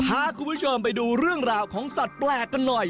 พาคุณผู้ชมไปดูเรื่องราวของสัตว์แปลกกันหน่อย